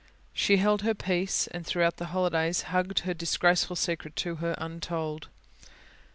She held her peace, and throughout the holidays hugged her disgraceful secret to her, untold.